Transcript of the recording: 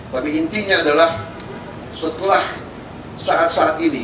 tapi intinya adalah setelah saat saat ini